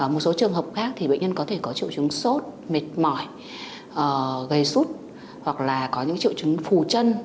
một số trường hợp khác thì bệnh nhân có thể có triệu chứng sốt mệt mỏi gây sút hoặc là có những triệu chứng phù chân